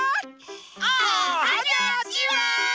おはにゃちは！